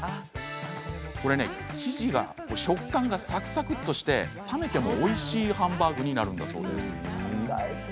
食感がサクサクっとして冷めてもおいしいハンバーグになるんだそうです。